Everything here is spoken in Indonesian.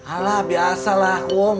alah biasa lah kum